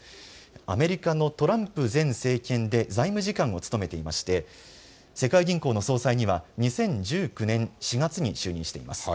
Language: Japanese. アメリカのトランプ前政権で財務次官を務めていまして世界銀行の総裁には２０１９年４月に就任しています。